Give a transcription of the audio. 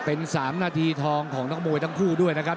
เป็น๓นาทีทองของนักมวยทั้งคู่ด้วยนะครับ